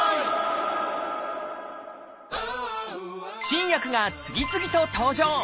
新薬が次々と登場！